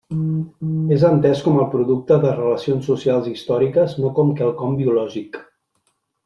És entès com el producte de relacions socials històriques no com quelcom biològic.